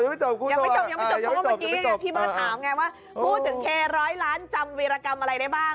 พี่เบอร์ถามไงว่าพูดถึงเทร้อยล้านจำวิรกรรมอะไรได้บ้าง